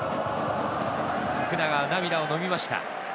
福永は涙をのみました。